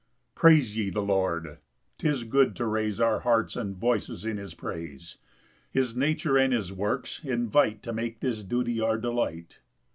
1 Praise ye the Lord; 'tis good to raise Our hearts and voices in his praise; His nature and his works invite To make this duty our delight.